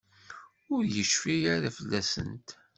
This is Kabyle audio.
Ur yecfi ara fell-asent.